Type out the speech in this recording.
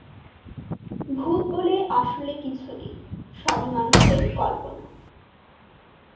ভুত বলে আসলে কিছু নেই, সবই মানুষের কল্পনা।